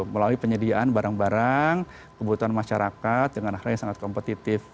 melalui penyediaan barang barang kebutuhan masyarakat dengan hal yang sangat kompetitif